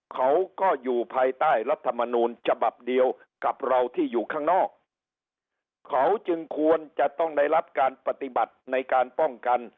เขาก็อยู่ภายใต้รัฐมนูลฉบับเดียวกับเราที่อยู่ข้างนอกเขาจึงควรจะต้องได้รับการปฏิบัติในการป้องกัน